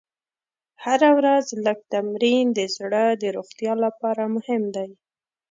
هره ورځ لږ تمرین د زړه د روغتیا لپاره مهم دی.